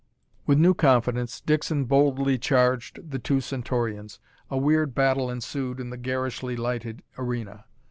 With new confidence, Dixon boldly charged the two Centaurians. A weird battle ensued in the garishly lighted arena.